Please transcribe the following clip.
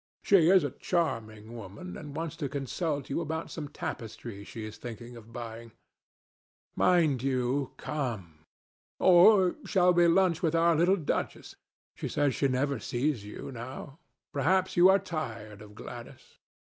She is a charming woman, and wants to consult you about some tapestries she is thinking of buying. Mind you come. Or shall we lunch with our little duchess? She says she never sees you now. Perhaps you are tired of Gladys?